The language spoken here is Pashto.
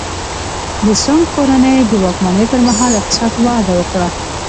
د سونګ کورنۍ د واکمنۍ پرمهال اقتصاد وده وکړه.